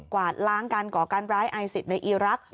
วาดล้างการก่อการร้ายไอซิสในอีรักษ